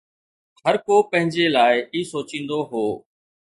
هر ڪو پنهنجي لاءِ ئي سوچيندو هو